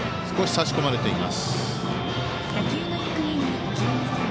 少し差し込まれています。